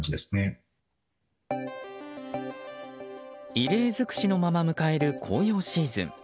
異例尽くしのまま迎える紅葉シーズン。